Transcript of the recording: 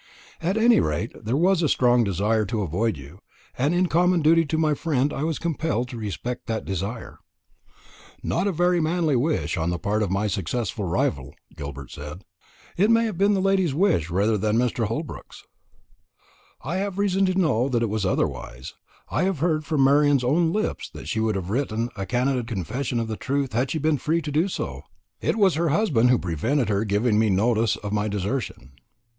At any rate, there was a strong desire to avoid you; and in common duty to my friend I was compelled to respect that desire." "Not a very manly wish on the part of my successful rival," said Gilbert. "It may have been the lady's wish rather than Mr. Holbrook's." "I have reason to know that it was otherwise. I have heard from Marian's own lips that she would have written a candid confession of the truth had she been free to do so. It was her husband who prevented her giving me notice of my desertion."